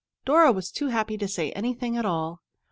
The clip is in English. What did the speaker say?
Dora was too happy to say anything at all.